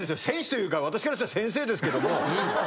選手というか私からしたら先生ですけども。